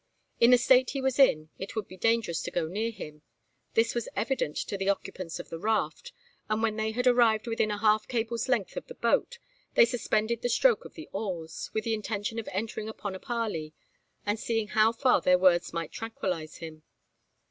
In the state he was in, it would be dangerous to go near him. This was evident to the occupants of the raft; and when they had arrived within a half cable's length of the boat, they suspended the stroke of the oars, with the intention of entering upon a parley, and seeing how far their words might tranquillise him.